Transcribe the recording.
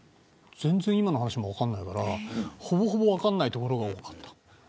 全然、今の話も分からないからほぼほぼ分からないところが多かった。